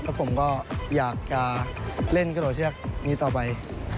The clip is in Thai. แล้วผมก็อยากเล่นกระดดเชือกนี้ต่อไป